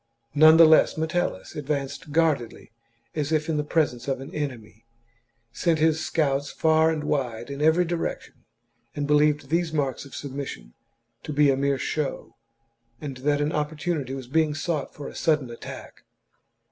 None the less Metellus advanced guardedly as if in the presence of an enemy, sent his scouts far and wide in every direction, and believed these marks of submis sion to be a mere show, and that an opportunity was being sought for a sudden attack.